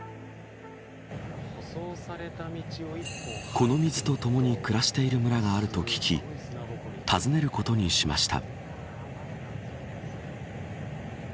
この水とともに暮らしている村があると聞き訪ねることにしました。